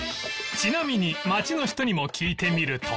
ちなみに街の人にも聞いてみると